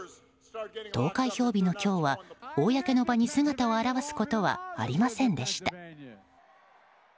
投開票日の今日は公の場に姿を現すことはありませんでした。